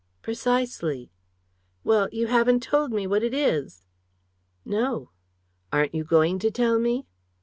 "Precisely." "Well, you haven't told me what it is." "No." "Aren't you going to tell me?"